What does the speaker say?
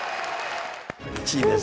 １位です。